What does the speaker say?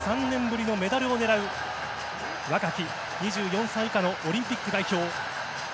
そして、５３年ぶりのメダルを狙う若き２４歳以下のオリンピック代表。